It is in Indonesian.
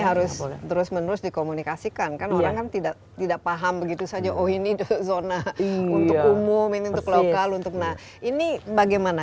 harus terus menerus dikomunikasikan kan tidak tidak paham begitu saja oh ini zona ini bagaimana